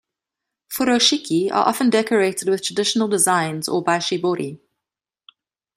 "Furoshiki" are often decorated with traditional designs or by shibori.